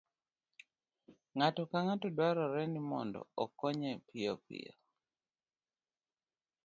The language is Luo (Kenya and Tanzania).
ng'ato ka ng'ato dwaro ni mondo okonye piyopiyo